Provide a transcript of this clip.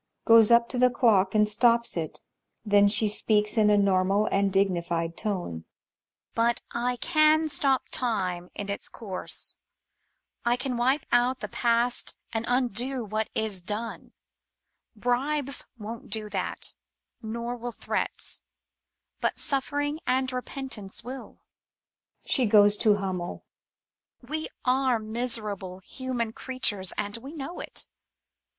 [Goes up to the clock and stops it; then she speaks in a normal and dignified tone] But I can stop time in its course. I can wipe out the past and undo what is done. \// 1S4 THE SPOOK SONATA scENisn Bribes won't do that, nor will threats — ^but suffering and re pentance will [She goes to Hummel] We are miserable human creatures, and we know it.